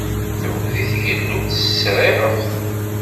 Tuggdi tgellu-d s teẓriɣeft.